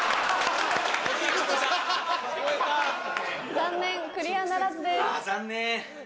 残念クリアならずです。